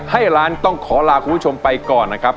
ให้ร้านต้องขอลาคุณผู้ชมไปก่อนนะครับ